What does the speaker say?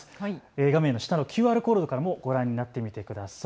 画面下のＱＲコードからもご覧になってみてください。